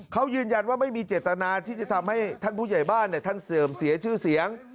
เขายืนยันว่าไม่มีเจตนาที่จะทำให้ท่านผู้ใหญ่บ้านท่านเสื่อมเสียชื่อเสียง